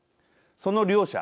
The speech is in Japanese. その両者。